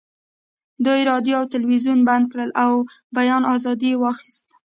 دوی راډیو او تلویزیون بند کړل او بیان ازادي یې واخیسته